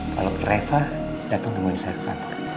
kalau reva datang dengan saya ke kantor